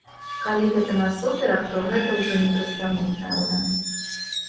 Калі гэта насуперак, то гэта ўжо не прадстаўнік народа.